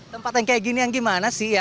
tempat yang kayak gini yang gimana sih ya